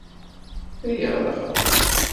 Riɣ ad ɣreɣ.